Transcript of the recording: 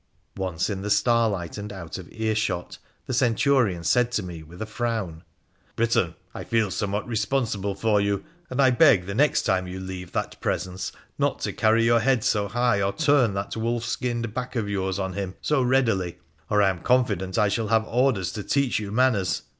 Once in the starlight and out of earshot the Centurion said to me, with a frown — 'Briton, I feel somewhat responsible for you, and I beg the next time you leave that presence not to carry your head so high or turn that wolf skinned back of yours on him so readily, or I am confident I shall have orders to teach you manners.